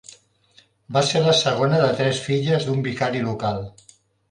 Va ser la segona de tres filles d'un vicari local.